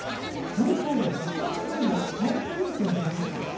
民法の不法行為も入り得ると述べました。